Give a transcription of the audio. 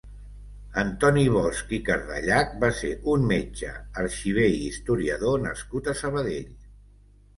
Antoni Bosch i Cardellach va ser un metge, arxiver i historiador nascut a Sabadell.